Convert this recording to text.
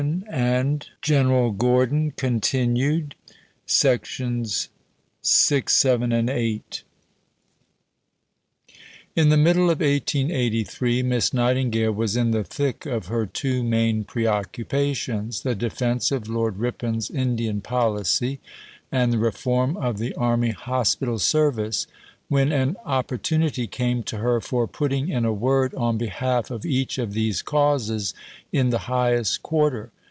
340, n. Letter to Captain Galton, Nov. 28, 1883. VI In the middle of 1883 Miss Nightingale was in the thick of her two main preoccupations the defence of Lord Ripon's Indian policy and the reform of the Army Hospital Service when an opportunity came to her for putting in a word on behalf of each of these causes in the highest quarter.